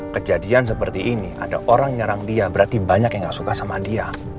kejadian seperti ini ada orang nyerang dia berarti banyak yang gak suka sama dia